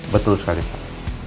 betul sekali pak